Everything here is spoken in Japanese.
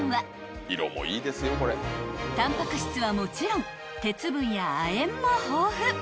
［タンパク質はもちろん鉄分や亜鉛も豊富］